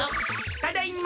ただいま。